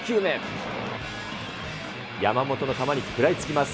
山本の球に食らいつきます。